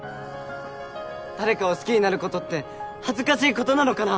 誰かを好きになることって恥ずかしいことなのかな。